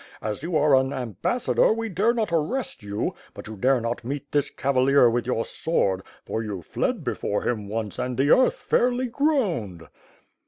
As you are an ambassador we dare not arrest you; but you dare not meet this cavalier with your sword, for you fled before him once and the earth fairly groaned."